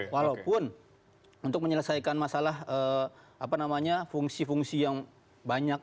walaupun untuk menyelesaikan masalah fungsi fungsi yang banyak